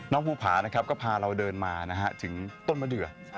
น้อภูปภาก็พาเราเดินมาถึงต้นมะเดื่อ